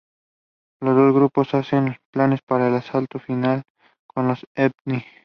Los dos grupos hacen planes para el asalto final con los "Espheni".